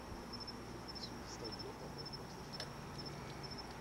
Il se distingue notamment pour ses frappes lointaines.